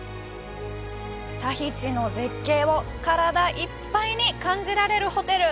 タヒチの絶景を体いっぱいに感じられるホテル。